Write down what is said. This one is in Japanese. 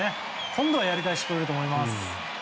今度はやり返してくれると思います。